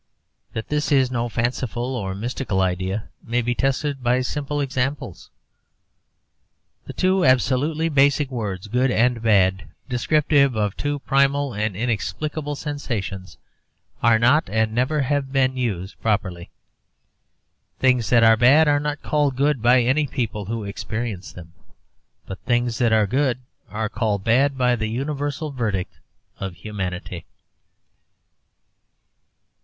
That this is no fanciful or mystical idea may be tested by simple examples. The two absolutely basic words 'good' and 'bad,' descriptive of two primal and inexplicable sensations, are not, and never have been, used properly. Things that are bad are not called good by any people who experience them; but things that are good are called bad by the universal verdict of humanity.